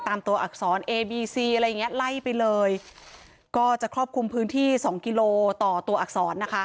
ตามตัวอักษรเอบีซีอะไรอย่างเงี้ไล่ไปเลยก็จะครอบคลุมพื้นที่สองกิโลต่อตัวอักษรนะคะ